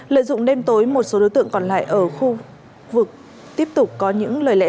lợi dụng đêm tối một số đối tượng còn lại ở khu vực tiếp tục có những lời lẽ